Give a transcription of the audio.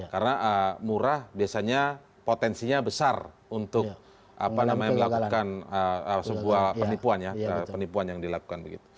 karena murah biasanya potensinya besar untuk melakukan sebuah penipuan ya penipuan yang dilakukan